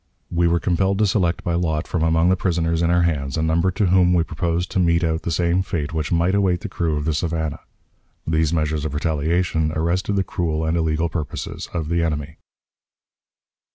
We were compelled to select by lot from among the prisoners in our hands a number to whom we proposed to mete out the same fate which might await the crew of the Savannah. These measures of retaliation arrested the cruel and illegal purposes of the enemy.